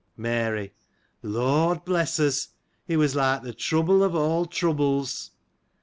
Mary. — Lord bless us ! It was like the trouble of all troubles.